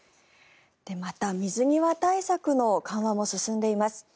また、水際対策の緩和も進んでいます。